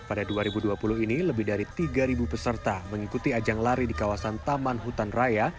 pada dua ribu dua puluh ini lebih dari tiga peserta mengikuti ajang lari di kawasan taman hutan raya